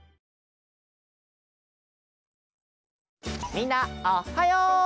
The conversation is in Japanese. みんなおっはよう！